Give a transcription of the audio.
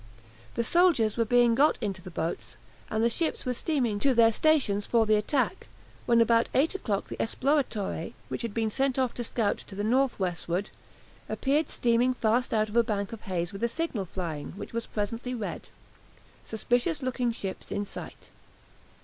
The soldiers were being got into the boats, and the ships were steaming to their stations for the attack, when about eight o'clock the "Esploratore," which had been sent off to scout to the north westward, appeared steaming fast out of a bank of haze with a signal flying, which was presently read, "Suspicious looking ships in sight."